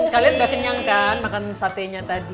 kalian udah kenyang kan makan sate nya tadi